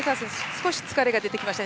少し疲れが出てきました。